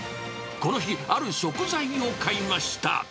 この日、ある食材を買いました。